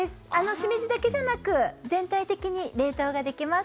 シメジだけじゃなく全体的に冷凍ができます。